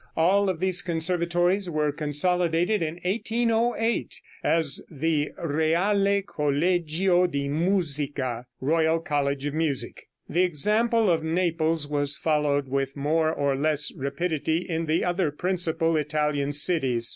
All of these conservatories were consolidated in 1808 as the Reale Collegio di Musica (Royal College of Music). The example of Naples was followed with more or less rapidity in the other principal Italian cities.